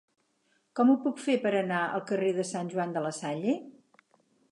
Com ho puc fer per anar al carrer de Sant Joan de la Salle?